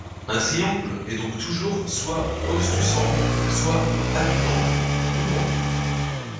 Un triangle est donc toujours soit obtusangle, soit acutangle ou droit.